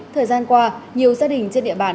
thời gian qua nhiều gia đình trên địa bàn